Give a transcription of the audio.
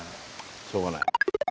しようがない。